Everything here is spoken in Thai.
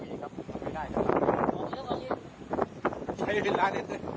เมื่อเวลาอันดับสุดท้ายที่สุดท้ายที่สุดท้ายมันกลายเป็นอันดับสุดท้ายที่สุดท้ายที่สุดท้าย